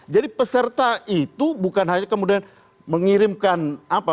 jadi peserta itu bukan hanya kemudian mengirimkan apa